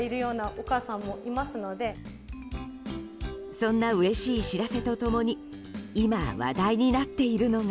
そんなうれしい知らせと共に今話題になっているのが。